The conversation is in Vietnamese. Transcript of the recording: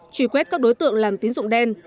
trùy quét các đối tượng làm tín dụng đen